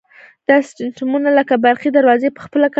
دا سیسټمونه لکه برقي دروازې په خپله کنټرولیږي.